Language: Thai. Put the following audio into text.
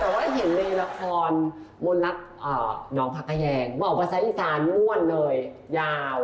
แต่ว่าเห็นในละครมนต์ลักษณ์น้องพักแยงบอกภาษาอีสานม่วนเลยยาว